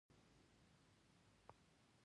• د علیزي قوم خلک د غیرت لوړ مثالونه لري.